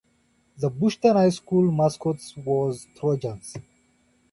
The Bushton High School mascot was Trojans.